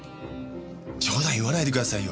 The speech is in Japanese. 冗談言わないでくださいよ。